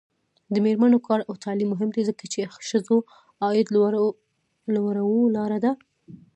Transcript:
د میرمنو کار او تعلیم مهم دی ځکه چې ښځو عاید لوړولو لاره ده.